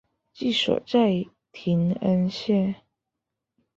治所在延恩县。